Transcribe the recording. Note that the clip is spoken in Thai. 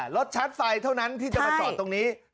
รถชาร์จไฟเท่านั้นที่จะมาจอดตรงนี้